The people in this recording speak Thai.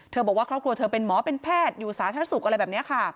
บอกว่าครอบครัวเธอเป็นหมอเป็นแพทย์อยู่สาธารณสุขอะไรแบบนี้ค่ะ